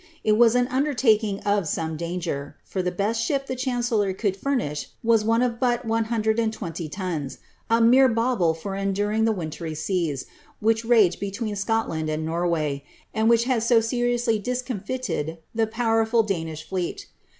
It was an undertaking of some danger; for the best ship the chancellor could furnish was one of but 120 tons — a mere bauble for enduring the wintry seas, which rage between Scotland and Norway, ■nd which had so seriously discomfited the powerful Danish fleet.